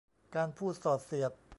การพูดส่อเสียด